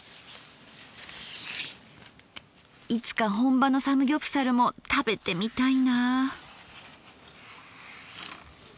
いつか本場のサムギョプサルも食べてみたいなぁ。